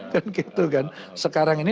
dan gitu kan sekarang ini